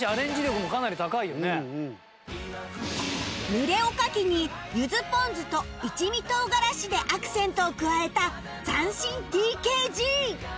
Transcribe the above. ぬれおかきに柚子ポン酢と一味唐辛子でアクセントを加えた斬新 ＴＫＧ